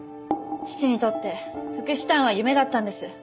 父にとって福祉タウンは夢だったんです。